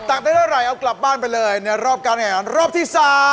ได้เท่าไหร่เอากลับบ้านไปเลยในรอบการแข่งขันรอบที่๓